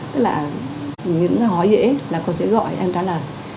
tức là những hỏi dễ là cô sẽ gọi em trả lời